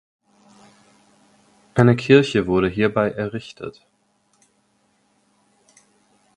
Eine Kirche wurde hierbei errichtet.